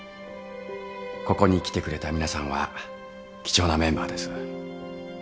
ここに来てくれた皆さんは貴重なメンバーです。